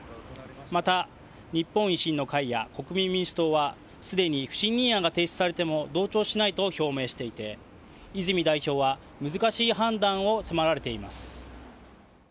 また日本維新の会や国民民主党はすぐに不信任案が提出されても同調しないと表明していて泉代表は難しい判断を迫られています。